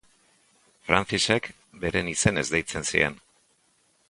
Francisek beren izenez deitzen zien.